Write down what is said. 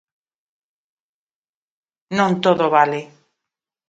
Non todo vale.